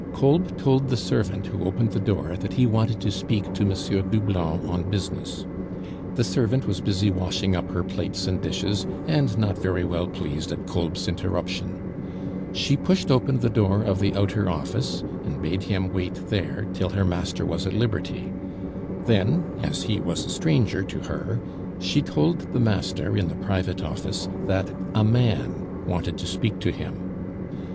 Kolb told the servant who opened the door that he wanted to speak to M. Doublon on business. The servant was busy washing up her plates and dishes, and not very well pleased at Kolb's interruption; she pushed open the door of the outer office, and bade him wait there till her master was at liberty; then, as he was a stranger to her, she told the master in the private office that "a man" wanted to speak to him.